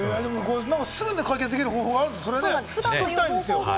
すぐに解決できる方法があるってことで知っておきたいですね。